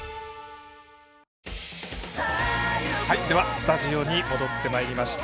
スタジオに戻ってまいりました。